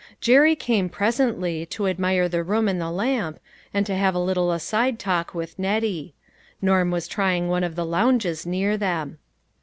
Jerry came, presently, to admire the room and the lamp, and to have a little aside talk with Nettie. Norm was trying one of the lounges near them.